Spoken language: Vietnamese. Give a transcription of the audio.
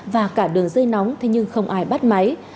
và cả đường dây nóng thế nhưng không ai bắt máy